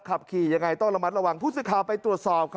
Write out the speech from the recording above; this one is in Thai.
ขับขี่ยังไงต้องระมัดระวังผู้สื่อข่าวไปตรวจสอบ